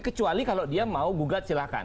kecuali kalau dia mau gugat silahkan